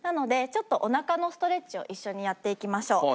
ちょっとお腹のストレッチを一緒にやっていきましょう。